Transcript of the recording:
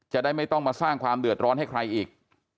จะได้ไม่ต้องมาสร้างความเดือดร้อนให้ใครอีก